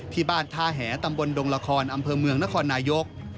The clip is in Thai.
ที่บ้านท่าแหตำบลดงละครอำเภอเมืองนครนายก